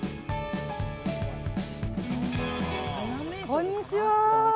こんにちは。